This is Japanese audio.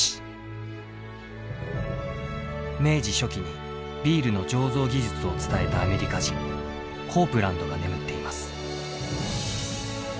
明治初期にビールの醸造技術を伝えたアメリカ人コープランドが眠っています。